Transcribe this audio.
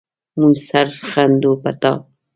مونږ سر ښندو په تا